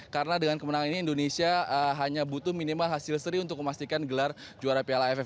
karena dengan kemenangan ini indonesia hanya butuh minimal hasil seri untuk memastikan gelar juara piala aff